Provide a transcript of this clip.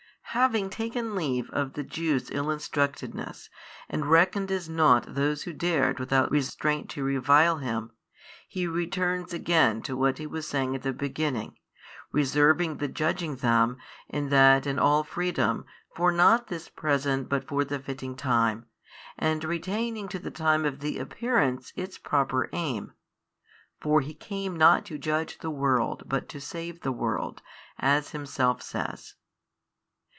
Having taken leave of the Jews' ill instructedness, and |598 reckoned as nought those who dared without restraint to revile Him, He returns again to what He was saying at the beginning, reserving the judging them and that in all freedom for not this present but for the fitting time, and retaining to the time of the Appearance its proper aim (for He came not to judge the world but to save the world, as Himself says).